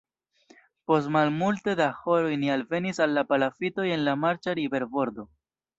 Post malmulte da horoj ni alvenis al palafitoj en la marĉa riverbordo.